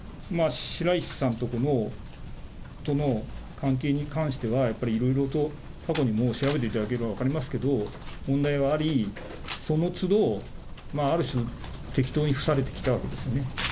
白石さんとの関係に関しては、やっぱりいろいろと過去も調べていただければ分かりますけれども、問題はあり、そのつど、ある種、適当に伏されていたわけですよね。